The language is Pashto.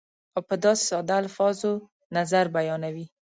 او په داسې ساده الفاظو نظر بیانوي